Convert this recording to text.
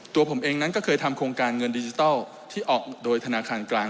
ตัวผมเองนั้นก็เคยทำโครงการเงินดิจิทัลที่ออกโดยธนาคารกลาง